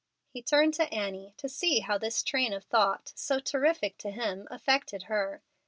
He turned to Annie to see how this train of thought, so terrific to him, affected her.